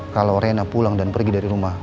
kalo renna pulang dan pergi dari rumah